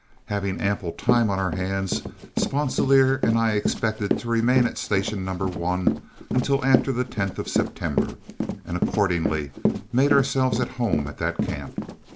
Having ample time on our hands, Sponsilier and I expected to remain at Station No. 1 until after the 10th of September, and accordingly made ourselves at home at that camp.